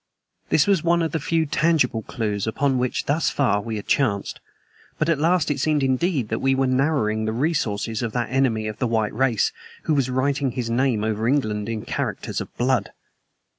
This was one of the few tangible clews upon which thus far we had chanced; but at last it seemed indeed that we were narrowing the resources of that enemy of the white race who was writing his name over England in characters of blood.